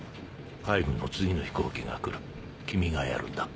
海軍の次の飛行機が来る君がやるんだ。